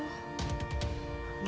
dia gak mau lagi ikut aku